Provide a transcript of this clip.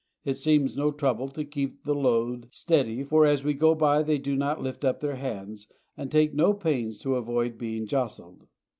It seems no trouble to keep the loads steady, for as we go by they do not lift up their hands, and take no pains to avoid being jostled.